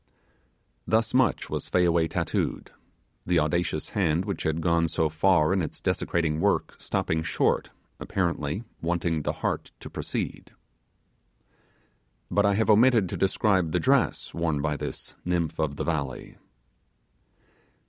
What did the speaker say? Thus much was Fayaway tattooed. The audacious hand which had gone so far in its desecrating work stopping short, apparently wanting the heart to proceed. But I have omitted to describe the dress worn by this nymph of the valley.